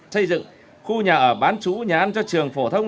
xây dựng khu nhà ở bán trú nhà ăn cho trường phổ thái